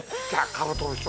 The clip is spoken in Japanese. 「カブトムシ」